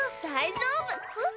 大丈夫。